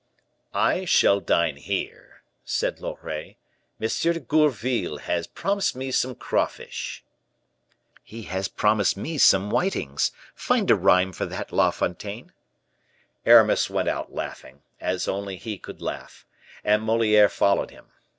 "I shall dine here," said Loret. "M. de Gourville has promised me some craw fish." "He has promised me some whitings. Find a rhyme for that, La Fontaine." Aramis went out laughing, as only he could laugh, and Moliere followed him.